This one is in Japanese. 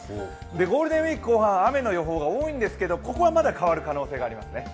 ゴールデンウイーク後半雨の予報が多いんですけどここはまだ変わる可能性がありますね。